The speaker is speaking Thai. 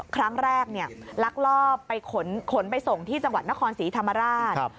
ครั้งแรกลักลอบไปขนไปส่งที่จังหวัดนครศรีธรรมราช